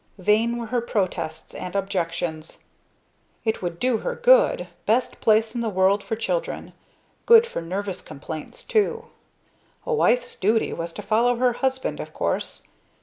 Vain were her protests and objections. It would do her good best place in the world for children good for nervous complaints too. A wife's duty was to follow her husband, of course.